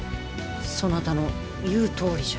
そなたの言うとおりじゃ。